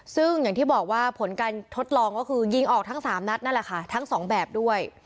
ซึ่งอย่างที่บอกว่าผลการทดลองก็คือยิงออกทั้ง๓นัดนั่นแหละค่ะทั้งสองแบบด้วย